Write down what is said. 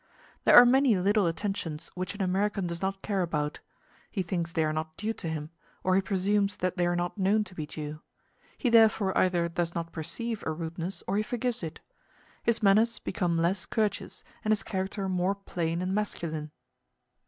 There are many little attentions which an American does not care about; he thinks they are not due to him, or he presumes that they are not known to be due: he therefore either does not perceive a rudeness or he forgives it; his manners become less courteous, and his character more plain and masculine.